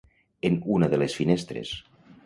En una de les finestres.